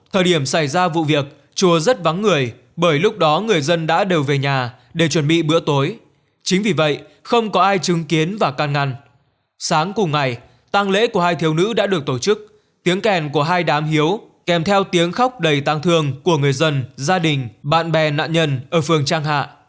tiếng kèn của hai đám hiếu kèm theo tiếng khóc đầy tăng thương của người dân gia đình bạn bè nạn nhân ở phường trang hạ